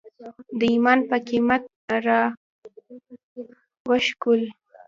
د ایمان په قیمت یې راوشکول.